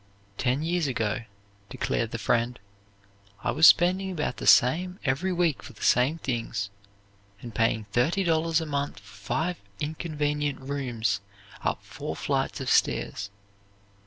"Ten years ago," declared the friend, "I was spending about the same every week for the same things, and paying thirty dollars a month for five inconvenient rooms up four flights of stairs.